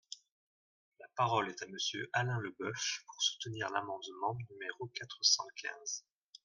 La parole est à Monsieur Alain Leboeuf, pour soutenir l’amendement numéro quatre cent quinze.